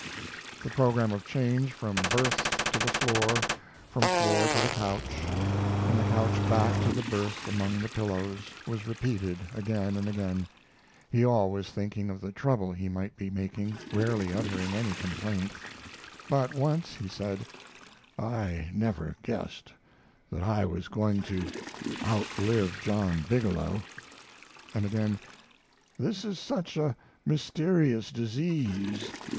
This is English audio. The program of change from berth to the floor, from floor to the couch, from the couch back to the berth among the pillows, was repeated again and again, he always thinking of the trouble he might be making, rarely uttering any complaint; but once he said: "I never guessed that I was not going to outlive John Bigelow." And again: "This is such a mysterious disease.